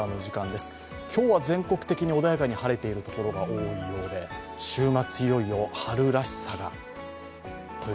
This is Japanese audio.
今日は全国的に穏やかに晴れている所が多いようで週末、いよいよ春らしさが。